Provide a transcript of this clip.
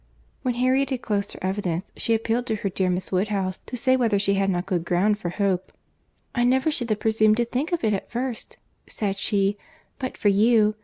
When Harriet had closed her evidence, she appealed to her dear Miss Woodhouse, to say whether she had not good ground for hope. "I never should have presumed to think of it at first," said she, "but for you.